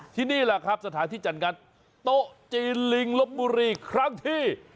นี่แหละครับสถานที่จัดงานโต๊ะจีนลิงลบบุรีครั้งที่